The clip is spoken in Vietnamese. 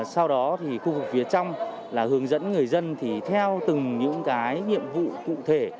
sau đó thì khu vực phía trong là hướng dẫn người dân thì theo từng những cái nhiệm vụ cụ thể